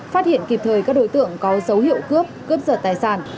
phát hiện kịp thời các đối tượng có dấu hiệu cướp cướp giật tài sản